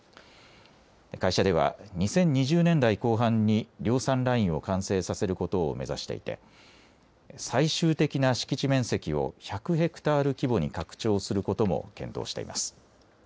会社では２０２０年代後半に量産ラインを完成させることを目指していて最終的な敷地面積を１００ヘクタール規模に拡張することも検討しています。